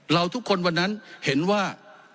เราทุกคนวันนั้นเห็นว่า